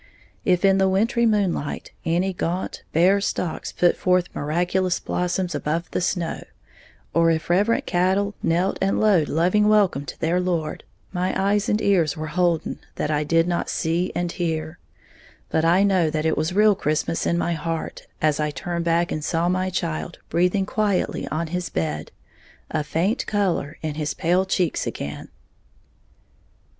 If, in the wintry moonlight, any gaunt, bare stalks put forth miraculous blossoms above the snow, or if reverent cattle knelt and lowed loving welcome to their Lord, my eyes and ears were holden that I did not see and hear; but I know that it was Real Christmas in my heart as I turned back and saw my child breathing quietly on his bed, a faint color in his pale cheeks again.